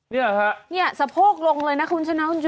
เนี่ยสะโพกลงเลยนะคุณชะน้อง